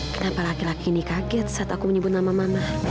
kenapa laki laki ini kaget saat aku menyebut nama mama